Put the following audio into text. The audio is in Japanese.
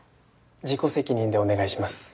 自己責任でお願いします。